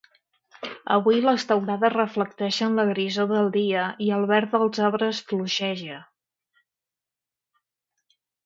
Avui les teulades reflecteixen la grisor del dia I el verd dels arbres fluixeja